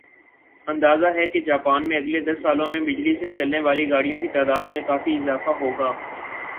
اندازہ ھے کہ جاپان میں اگلے دس سالوں میں بجلی سے چلنے والی گاڑیوں کی تعداد میں کافی اضافہ ہو گا